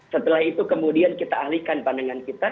setelah itu kemudian kita alihkan pandangan kita